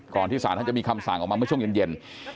ที่ศาลท่านจะมีคำสั่งออกมาเมื่อช่วงเย็น